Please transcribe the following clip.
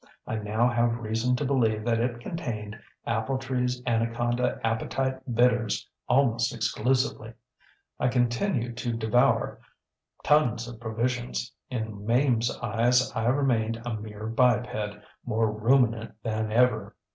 I now have reason to believe that it contained AppletreeŌĆÖs Anaconda Appetite Bitters almost exclusively. I continued to devour tons of provisions. In MameŌĆÖs eyes I remained a mere biped, more ruminant than ever.